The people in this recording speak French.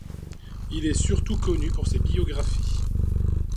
Il est surtout connu pour ses biographies.